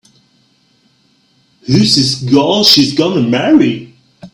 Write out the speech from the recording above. Who's this gal she's gonna marry?